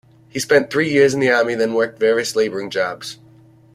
He spent three years in the army and then worked in various labouring jobs.